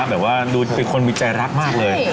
แบบว่าดูเป็นคนมีใจรักมากเลย